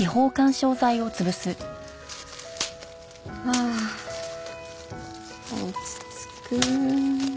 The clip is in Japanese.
ああ落ち着く。